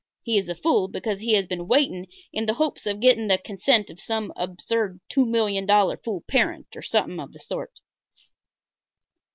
He is a fool because he has been waiting in the hopes of getting the consent of some absurd two million dollar fool parent or something of the sort."